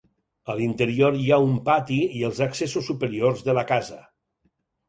A l'interior hi ha un pati i els accessos superiors de la casa.